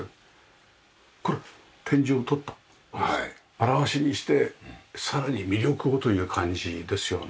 現しにしてさらに魅力をという感じですよね。